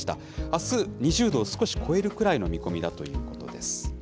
あす、２０度を少し超えるくらいの見込みだということです。